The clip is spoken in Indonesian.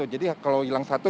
jadi kalau hilang satu